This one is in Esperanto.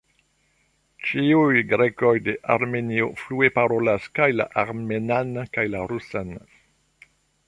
Ĉiuj grekoj de Armenio flue parolas kaj la armenan kaj la rusan.